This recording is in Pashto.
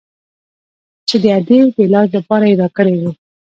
چې د ادې د علاج لپاره يې راکړى و.